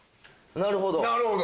なるほど。